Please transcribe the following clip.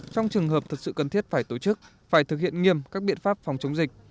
trong trường hợp thật sự cần thiết phải tổ chức phải thực hiện nghiêm các biện pháp phòng chống dịch